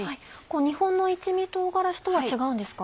日本の一味唐辛子とは違うんですか？